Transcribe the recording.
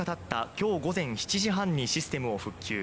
今日午前７時半にシステムを復旧。